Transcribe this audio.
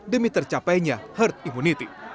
demi tercapainya herd immunity